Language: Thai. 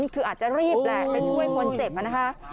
คืออาจจะรีบแหละไปช่วยคนเจ็บนะคะ